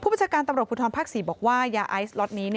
ประชาการตำรวจภูทรภาค๔บอกว่ายาไอซ์ล็อตนี้